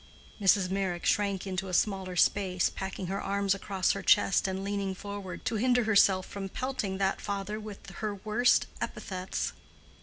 Mrs. Meyrick shrank into a smaller space, packing her arms across her chest and leaning forward—to hinder herself from pelting that father with her worst epithets.